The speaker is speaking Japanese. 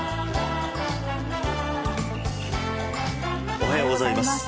おはようございます。